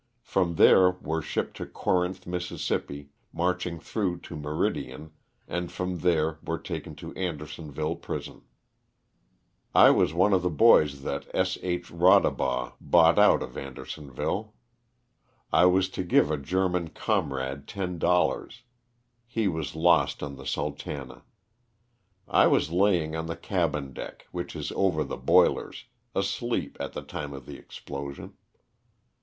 From there were shipped to Corinth, Miss., marching through to Meridian, and from there were taken to Andersonville prison. 366 LOSS OF THE SULTANA. I was one of the boys that S. H. Kaudebaugh bought out of Andersonville. I was to give a German com rade ten dollars. He was lost on the " Sultana." I was laying on the cabin deck, which is over the boilers, asleep at the time of the explosion.